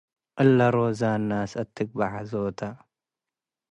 እለ ሮዛን ነስኣት ትግበእ ሐዞተ